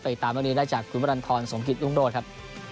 ตัวอีกตามวันนี้ได้จากคุณบรรณทรสงคริสต์รุ่งโดรดครับ